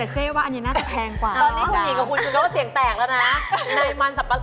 แต่เจ๊ว่าอันนี้น่าจะแพงกว่านะคะตอนนี้หญิงกับคุณคุณก็เสียงแตกแล้วนะ